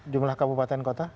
jumlah kabupaten kota